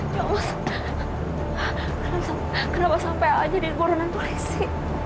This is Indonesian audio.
hai kenapa sampai aja di gurunan polisi